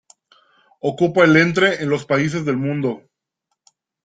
Ocupa el entre los países del mundo.